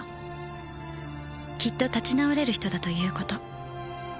「きっと立ち直れる人だという事」